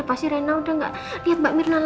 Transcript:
pasti reina udah nggak lihat mbak mirna lagi